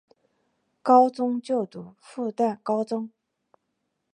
高中就读复旦高中。